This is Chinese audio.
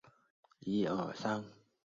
位于该国中部和东南部的过渡地带。